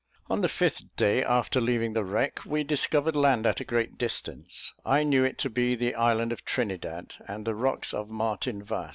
On the fifth day after leaving the wreck we discovered land at a great distance. I knew it to be the island of Trinidad and the rocks of Martin Vas.